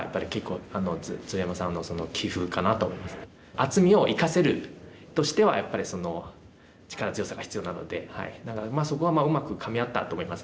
厚みを生かせるとしてはやっぱり力強さが必要なのでだからそこはうまくかみ合ったと思います